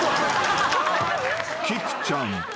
［キクちゃん。